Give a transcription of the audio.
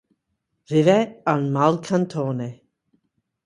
Vive a Malcantone.